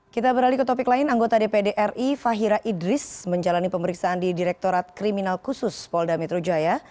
kita beralih ke topik lain anggota dpd ri fahira idris menjalani pemeriksaan di direktorat kriminal khusus polda metro jaya